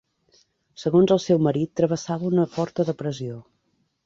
Segons el seu marit travessava una forta depressió.